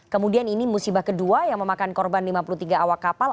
kemudian ini musibah kedua yang memakan korban lima puluh tiga awak kapal